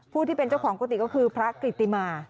ที่เป็นเจ้าของกุฏิก็คือพระกริติมา